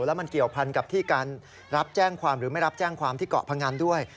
แล้วมันเกี่ยวพันกับที่การรับแจ้งความหรือไม่รับแจ้งความที่เกาะพงันด้วย